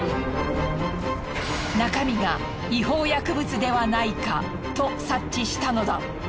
中身が違法薬物ではないかと察知したのだ。